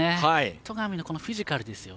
戸上のフィジカルですよ。